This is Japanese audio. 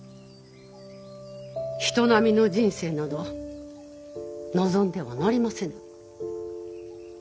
人並みの人生など望んではなりませぬ。